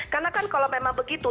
karena kan kalau memang begitu